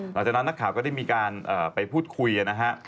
หลังจากนั้นนักข่าวก็ได้มีการไปพูดคุยนะฮะ